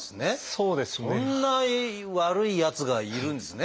そんな悪いやつがいるんですね。